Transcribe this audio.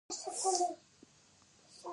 د هرات په انجیل کې د ګچ نښې شته.